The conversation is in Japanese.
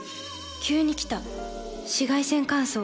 急に来た紫外線乾燥。